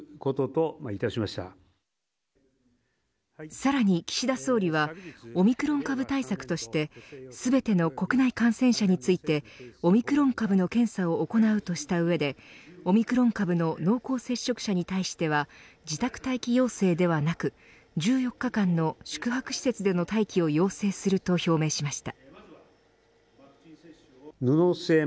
さらに岸田総理はオミクロン株対策として全ての国内感染者についてオミクロン株の検査を行うとした上でオミクロン株の濃厚接触者に対しては自宅待機要請ではなく１４日間の宿泊施設での待機を要請すると表明しました。